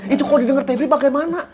itu kalau di denger pebi bagaimana